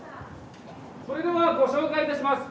それではご紹介いたします。